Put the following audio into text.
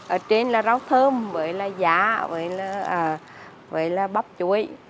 ở trên là rau thơm với là giả với là bắp chuỗi